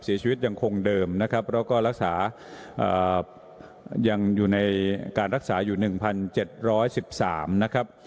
เสียชีวิตยังคงเดิมนะครับแล้วก็รักษาอ่ายังอยู่ในการรักษาอยู่หนึ่งพันเจ็ดร้อยสิบสามนะครับ